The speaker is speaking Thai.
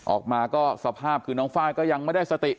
ออกมาก็สภาพคือน้องไฟล์ก็ยังไม่ได้สติ